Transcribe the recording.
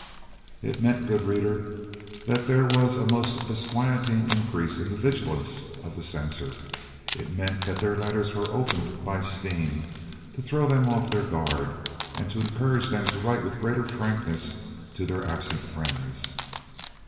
It meant, good reader, that there was a most disquieting increase in the vigilance of the censor; it meant that their letters were opened by steam, to throw them off their guard, and to encourage them to write with greater frankness to their absent friends.